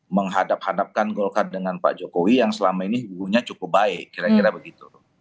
menghadap hadapkan golkar dengan pak jokowi yang selama ini hubungannya cukup baik kira kira begitu